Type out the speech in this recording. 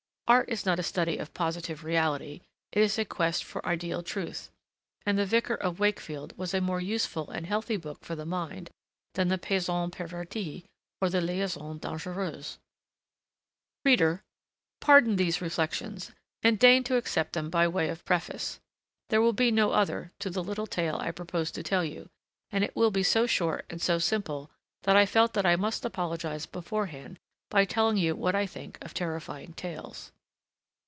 Art is not a study of positive reality, it is a quest for ideal truth, and the Vicar of Wakefield was a more useful and healthy book for the mind than the Paysan Perverti or the Liaisons Dangereuses. Reader, pardon these reflections, and deign to accept them by way of preface. There will be no other to the little tale I propose to tell you, and it will be so short and so simple that I felt that I must apologize beforehand by telling you what I think of terrifying tales.